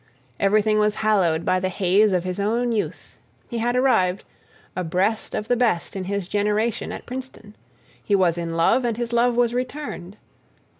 Everything was hallowed by the haze of his own youth. He had arrived, abreast of the best in his generation at Princeton. He was in love and his love was returned.